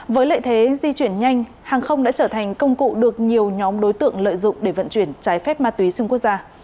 với lợi thế di chuyển nhanh hàng không đã trở thành công cụ được nhiều nhóm đối tượng lợi dụng để vận chuyển trái phép ma túy xuyên quốc gia